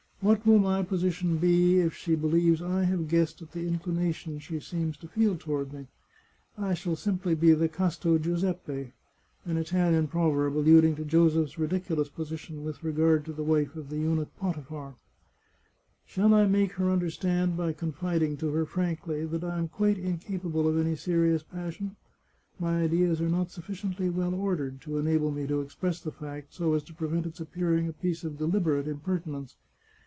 What will my position be if she believes I have guessed at the inclination she seems to feel toward me ? I shall simply be the casto Giuseppe " (an Italian proverb alluding to Joseph's ridiculous position with regard to the wife of the eunuch Potiphar). " Shall I make her understand by confiding to her frankly that I am quite incapable of any serious passion? My ideas are not sufficiently well ordered to enable me to express the fact so as to prevent its appearing a piece of deliberate impertinence.